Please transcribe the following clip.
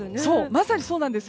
まさにそうなんです。